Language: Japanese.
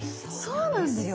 そうなんですね。